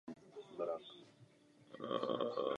Přisedlý semeník mívá jedno až dvě vajíčka.